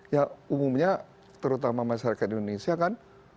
ya umumnya terutama masyarakat indonesia kan